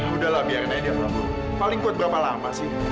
udahlah biarin aja paling kuat berapa lama sih